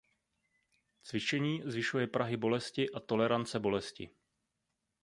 Cvičení zvyšuje prahy bolesti a tolerance bolesti.